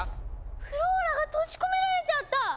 フローラが閉じ込められちゃった！